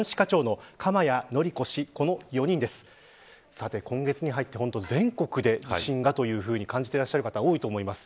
さて今月に入って全国で地震が、と感じていらっしゃる方多いと思います。